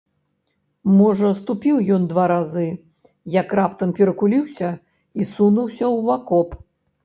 Можа, ступіў ён два разы, як раптам перакуліўся і сунуўся ў акоп.